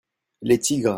Les tigres.